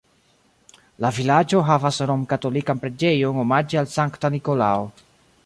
La vilaĝo havas romkatolikan preĝejon omaĝe al Sankta Nikolao.